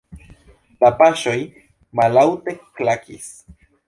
La paŝoj malaŭte klakis.